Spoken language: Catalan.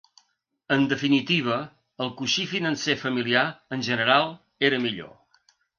En definitiva, el coixí financer familiar, en general, era millor.